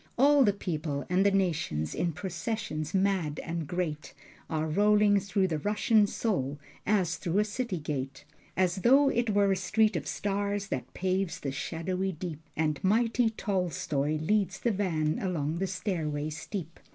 All the peoples and the nations in processions mad and great, Are rolling through the Russian Soul as through a city gate: As though it were a street of stars that paves the shadowy deep. And mighty Tolstoi leads the van along the stairway steep.